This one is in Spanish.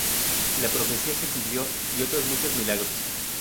La profecía se cumplió y otros muchos milagros.